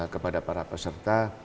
kepada para peserta